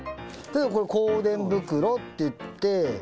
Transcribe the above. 例えばこれ香典袋って言って。